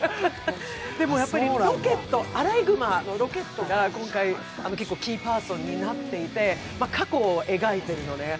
でも、アライグマのロケットが今回、キーパーソンになっていて過去を描いているのね。